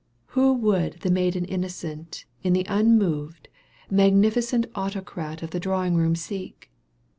Who would the maiden innocent In the unmoved, magnificent Autocrat of the drawing room seek